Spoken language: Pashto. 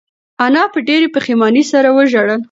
انا په ډېرې پښېمانۍ سره وژړل.